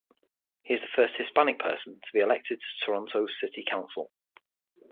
He is the first Hispanic person to be elected to Toronto's City Council.